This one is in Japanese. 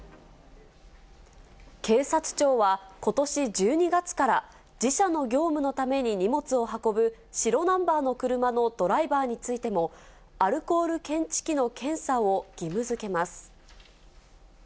警察庁は、ことし１２月から、自社の業務のために荷物を運ぶ白ナンバーの車のドライバーについても、アルコール検知器の検査を義務づけます。